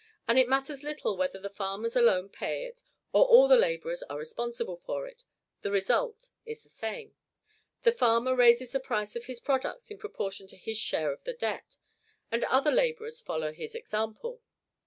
and it matters little whether the farmers alone pay it, or all the laborers are responsible for it, the result is the same. The farmer raises the price of his products in proportion to his share of the debt; the other laborers follow his example.